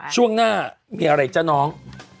ช่วงหน้ามีอะไรจ๊ะน้อง